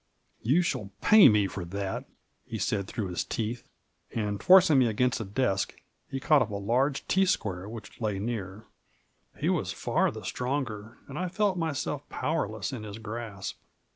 " You shall pay me for that !" he said through his teeth, and, forcing me against a desk, he caught np a large T square which lay near ; he was far the stronger, and I felt myself powerless in his grasp.